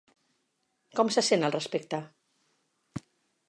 Com se sent al respecte?